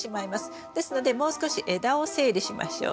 ですのでもう少し枝を整理しましょう。